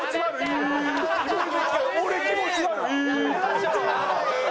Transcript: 俺気持ち悪いー！